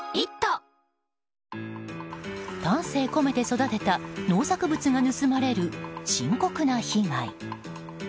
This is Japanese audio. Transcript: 丹精込めて育てた農作物が盗まれる深刻な被害。